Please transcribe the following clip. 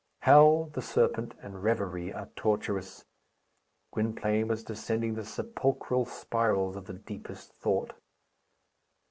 Hell, the serpent, and reverie are tortuous. Gwynplaine was descending the sepulchral spirals of the deepest thought.